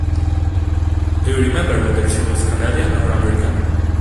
Do you remember whether she was Canadian or American?